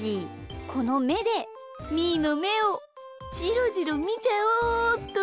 このめでみーのめをじろじろみちゃおうっと。